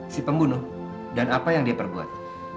si pembunuh dan apa yang dia perbuat